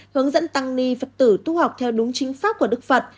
hướng dẫn tăng ni phật tử tu học theo đúng chính pháp của đức phật